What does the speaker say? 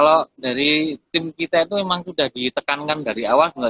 kalau dari tim kita itu memang sudah ditekankan dari awal